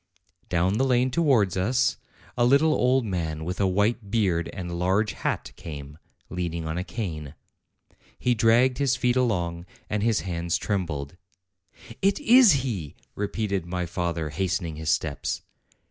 Down the lane towards us a little old man with a white beard and a large hat came, leaning on a cane. He dragged his feet along, and his hands trembled. "It is he!" repeated my father, hastening his steps.